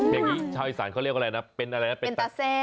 อย่างนี้ชาวอีสานเขาเรียกอะไรนะเป็นอะไรนะเป็นตาแซ่